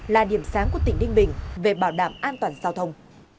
là điểm sáng của tỉnh ninh bình về bảo đảm an toàn giao thông